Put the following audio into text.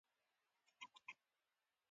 خټکی ډېر وخت له کجورو وروسته خوړل کېږي.